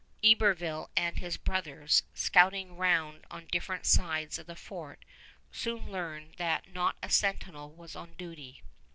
Iberville and his brothers, scouting round on different sides of the fort, soon learned that not a sentinel was on duty.